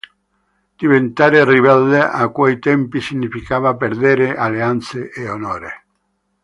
Diventare "ribelle" a quei tempi significava perdere alleanze e onore.